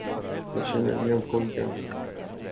Jag känner igen pojken.